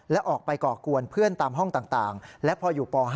และออกไปก่อกวนเพื่อนตามห้องต่างและพออยู่ป๕